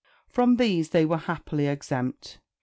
From these they were happily exempt.